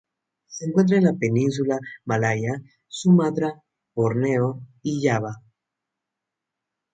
Se encuentra en la península malaya, Sumatra, Borneo y Java.